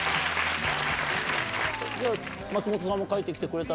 松本さんも書いてきてくれた